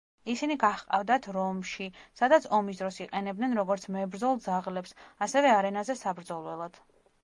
ისინი გაჰყავდათ რომში, სადაც ომის დროს იყენებდნენ, როგორც მებრძოლ ძაღლებს, ასევე არენაზე საბრძოლველად.